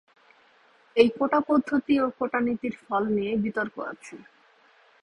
এই কোটা পদ্ধতি ও কোটা নীতির ফল নিয়ে বিতর্ক আছে।